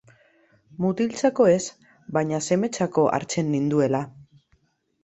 Mutiltzako ez, baina semetzako hartzen ninduela.